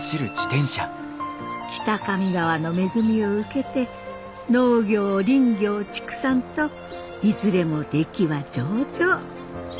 北上川の恵みを受けて農業林業畜産といずれも出来は上々。